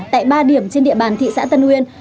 tại ba điểm trên địa bàn thị xã tân uyên